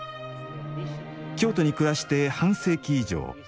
京都に暮らして半世紀以上。